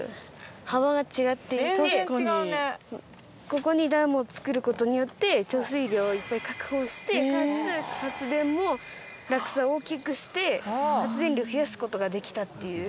ここにダムを造る事によって貯水量をいっぱい確保してかつ発電も落差を大きくして発電量を増やす事ができたっていう。